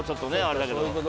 あれだけど。